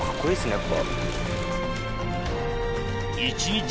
やっぱ。